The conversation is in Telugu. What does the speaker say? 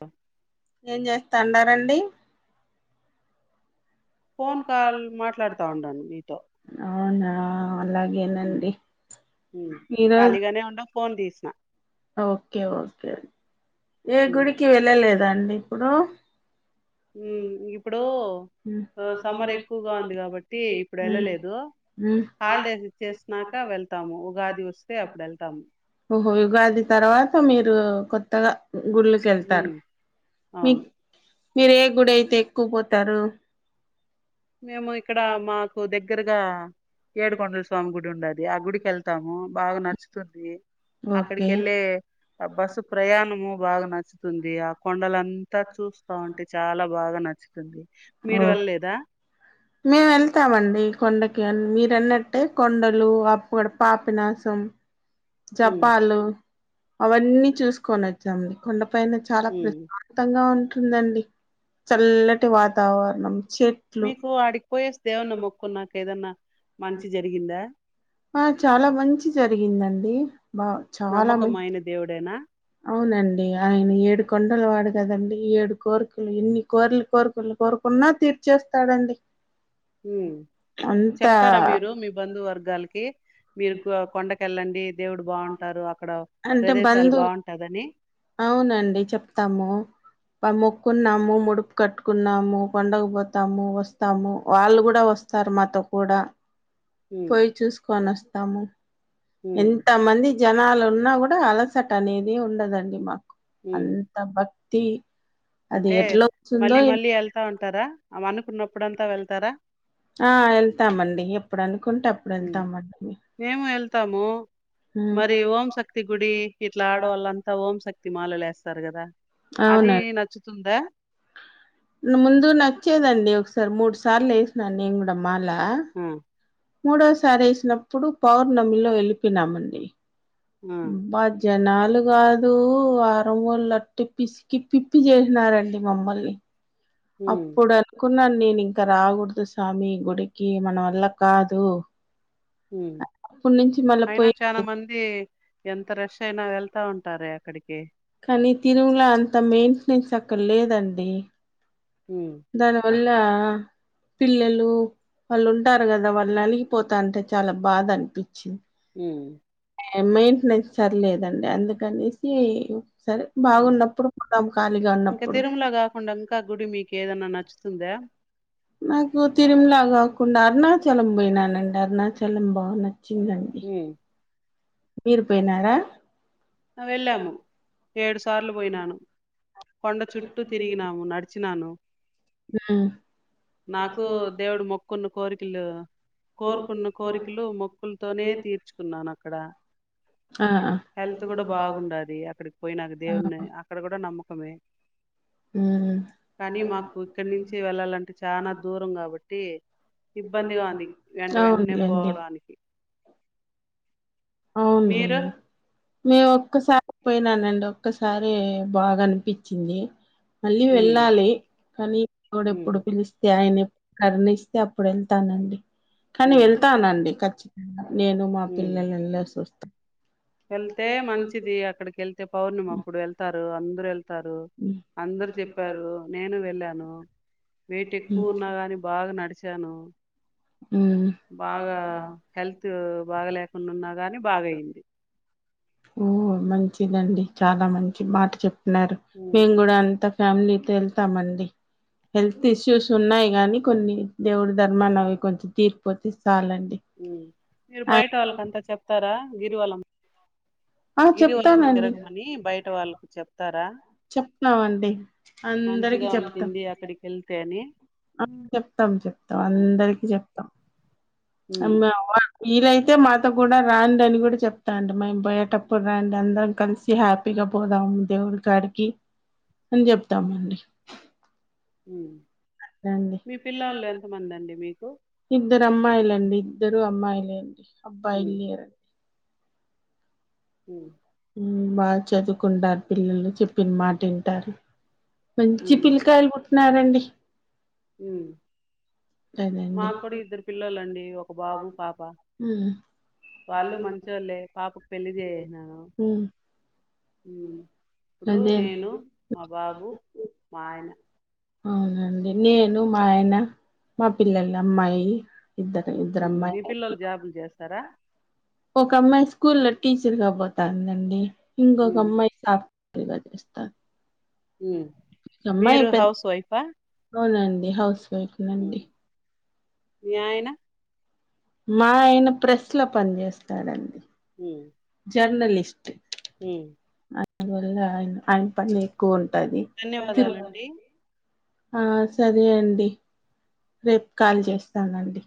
ఆ ఏం చేస్తనారండి ఫోన్ కాల్ మాట్లాడుతా ఉండను మీతో అవునా ఉమ్ అలాగేనండి ఉమ్ ఈరోజ్ ఖాళీగానే ఉండ ఫోన్ తీసిన ఓకే ఓకే ఏ ఉమ్ గుడికి వెళ్ళలేదు. దండి ఇప్పుడు హామ్ఇప్పుడు సమ్మర్ ఎక్కువగా ఉంది కాబట్టి ఇప్పుడు వెళ్ళలేదు. హాలిడేస్ ఇచ్చేసినాక వెళ్తాము. ఉగాది వస్తే అప్పుడు వెళ్తాము. ఓహో ఉగాది తర్వాత మీరు కొత్తగా గుళ్ళక వెళ్తారు ఉమ్ అవును మీకి మీర ఏ గుడి అయితే ఎక్కువ పోతారు మేము ఇక్కడ మాకు దగ్గరగా ఏడుకొండల స్వామి గుడి ఉండది. ఆ గుడికి వెళ్తాము బాగా నచ్చుతుంది. అక్కడికి ఓకే వెళ్ళే ఆ బస్సు ప్రయాణము బాగా నచ్చుతుంది. ఆ కొండల అంతా చూస్తా ఉంటే, చాలా బాగా నచ్చుతుంది. ఓ మీరు వెళ్ళలేదా మేము వెళ్తామండి కొండకి మీరన్నట్టే కొండలు అప్పు ఆడ పాపినాశం ఉమ్ జపాలు అవన్నీ చూసుకోని వచ్చాం కొండ పైన చాలా ఉమ్ ప్రశాంతంగా ఉన్ ఉంటుందండి చల్లని వాత వాతావరణం చెట్లు మీకు ఆడికి పోయేస్తే దేవున్న మొక్కు నాక ఏదన్నా మంచి జరిగిందా ఆ చాలా మంచి జరిగిందండి. బా చాలా మంచి నమ్మకమైన దేవుడునా అవునండి ఆయన ఏడు కొండల వాడు కదండి. ఏడు కోరికలు ఇన్ని కోరలు కోరికలు కోరుకున్నా తీర్చేస్తాడండి. ఉమ్ అంతా చెప్తారా మీరు మీ బంధు వర్గాలకి మీరు కొండకి వెళ్ళండి దేవుడు బాగుంటారు అక్కడ అంటే ప్రదేశాలు బంధువు బాగుంటాదని అవునండి చెప్తాము. మొక్కున్నాము ముడుపు కట్టుకున్నాము. కొండకుపోతాము. వస్తాము వాళ్ళు కూడా వస్తారు మాతో కూడా ఉమ్ పోయి చూసుకొని వస్తాము. ఉమ్ ఎంత మంది జనాలు ఉన్నా కూడా అలసట అనేదే ఉండదండి మా ఉమ్ అంత భ తీ అంటే మళ్ళీ మళ్ళీ ఎళ్తా ఉంటారా అమే అనుకున్నప్పుడంత వెళ్తారా ఆ ఎళ్తామండి ఎప్పుడను మేము ఎళ్తాము ఉమ్, మరి ఓంశక్తి గుడి ఇట్లా ఆడవాళ్ళంతా ఓంశక్తి తి మాలలు ఎస్తారు కదా అది అవునండి నచ్చుతుందా సార్ మూడు సార్లు ఎసిన నేను కూడా మాల ఆ మూడోసారి ఏసినప్పుడు పౌర్ణమిలో వెళ్ళిపోనామండి ఆ జనాలు కాదు వారం వోళట్టి పిసికి పిప్పి చేసినారండి మమ్మల్ని ఉమ్ అప్పుడు అనుకున్నాను నేను ఇంకా రాగుడదు స్వామి గుడికి మన వల్ల కాదు ఉ అప్పటి నుంచి మళ్ళా అయినా పోయి చాన మంది ఎంత రష్ అయినా వెళ్తా ఉంటారే అక్కడికి కానీ తిరుమల అంత మెయింటెనెన్స్ అక్కడ లేదండి హ్మ్ ధన్వాది అలా పిల్లలు వాళ్ళు ఉంటారు కదా వాళ్ళు అలిగిపోతంటే చాలా బాధ అనిపించింది ఉ ఎ మెయింటెనెన్స్ సర్లేదండి అందుకనేసి సరే బాగున్నప్పుడు పోదాం ఖాళీగా ఉన్నప్పుడు ఏదనా నచ్చుతు తుందా నాకు తిరుమలా కాకుండా అరుణాచలం బోయినానండి అరుణాచలం బాగునయి చ్చిందండి హ్మ్ మీరు పోయినారా ఆ వెళ్ళాము ఏడు సార్లు పోయినాను కొండ చుట్టు తిరిగినాము నడిచ చ్చినాను హ్మ్. నాకు దేవుడు మొక్కున్న కోరికలు కోరుకున్న కోరికలు మొక్కులతోనే తీర్చుకున్నాను అక్కడ ఆ ఆ హెల్త్ కూడా బాగుండది. అక్కడికి పోయినాకు ఆ దేవుణ అక్కడ కూడా నమ్మక్ కమే ఉమ్ కానీ మాకు ఇక్కడి నుంచి వెళ్ళాలంటే చానా దూరం కాబట్టి ఇబ్బందిగా ఉంది. వెంట వెంటనే అవునులేండి పోవడానికి. అవునండి మీరు మేము ఒక్కసారి పోయినానండి. ఒక్కసారి బాగా అనిపిచింది. మళ్ళీ ఉమ్ వెళ్ళాలి. కానీ ఎపుడ్ ఉమ్ ఎప్పుడు పిలిస్తే ఆయనేప్ కరూణిస్తే అప్పుడు ఏళ్తానండి. కానీ ఉమ్ వెళ్తానండి ఖచ్చి నేను మా పిల్లలేల్లో వాస్త ఏళ్తే మంచిది అక్కడికి ఏళ్ తే పౌర్ణం అప్పుడు వెళ్తారు. అం [unintelligible] వెల్త్ తారు అందరు చెప్పారు. నేను వెళ్ళాను వేయిట్ ఎక్కువ ఉన్నా కాని బాగా నడిచాను. మ్మ్ బాగా హెల్త్ బాగా లేకుండా ఉన్నా గాని బాగయింది. ఓ మంచిదండి చాలా మంచి మాట చెప్ నారు ఉమ్ మేము గూడా అంత ఫ్యామిలీతో వెళ్తామండి. హెల్త్ ఇష్యూస్ ఉన్నాయి. గానీ కొన్ని దేవుడు ధర్మాన్ని అవి కొంచెం తీరిపోతే సల్ అండి. మీరు బయట వాళ్ళకంతా చెప్తారా. గీరువలాం ఆ గిరివాళ్ళు చెప్తానండి తిరగమని బయట వాళ్ళకు చెప్తారా. చెప్న్నావండి అందరికి చెప్తాం. ళ్తే అని ఆ చెప్తాం చెప్తాం ఆ, అందరికి చెప్ ఉమ్ అమ్మోవ [unintelligible] వీలైతే మాతో కూడా రాండి అని కూడా చెప్తా అండి. మేము పోయేటప్పుడు రాండి. అందరం కలిసి హ్యాపీగా పోదాము దేవుడి కాాడికి అని చెప్తామండి. ఉహ్ అండి మీ పిల్లోలు ఎంత మంది అండి. మీక్ ఇద్దరు అమ్మాయిలండి. ఇద్దరు అమ్మాయిలేండి అబ్బాయిలు ఉమ్ లేరండి. ఉహ్మ్ ఉహ్ బాగా చదువుకుంటారు పిల్లలు చెప్పిన మాట వింటారు. మంచి పిల్కాయలు పుడ్ న్నరండి మ్మ్ మా అదండి కూడా ఇద్దరు పిల్లలండి. ఒక బాబు, పాప ఉమ్, వాళ్ళు మంచొళ్ళే పాపకు పెళ్లి చేయన ఉమ్, ఇప్పుడు నేను, అదే మా బాబు, మా ఆయన అవునండి నేను, మా ఆయన, మా పిల్లలు అమ్మాయి ఇద్దరు ఇద్దరు మీ అమ్మాయిలు పిల్లలు జాబులు చేస్తారా? ఒక అమ్మాయి స్కూల్ లో టీచర్గా పోతందండి. ఇంకొక హ్మ్. అమ్మాయి జ లేదండి పిస్తా ఊ మీరు హౌస్ వైఫా? అవునండి హౌస్ ఊ నండి హ్మ్. మీ అయన మాయన ప్రెస్ లో పని చేస్తాడండి. ఉ జర్నలిస్ట్ ఊ అందువల్ల అయన పని ఎక్కువ ఉం ఉంటాది ధన్యవాదాలండి. [unintelligible] ఆ సరే అండి రేపు కాల్ చేస్తానండి.